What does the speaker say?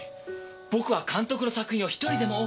僕は監督の作品を１人でも多くの人に。